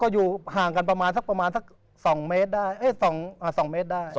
อยู่ห่างกันประมาณ๒เมตร